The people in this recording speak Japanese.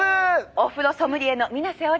「お風呂ソムリエの皆瀬織子です。